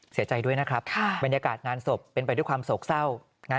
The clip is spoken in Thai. เสียใจด้วยนะครับบรรยากาศงานศพเป็นไปด้วยความโศกเศร้านะ